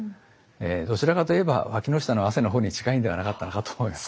どちらかと言えばわきの下の汗の方に近いんではなかったのかと思います。